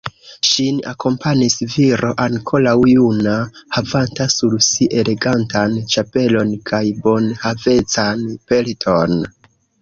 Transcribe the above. Ŝin akompanis viro ankoraŭ juna, havanta sur si elegantan ĉapelon kaj bonhavecan pelton.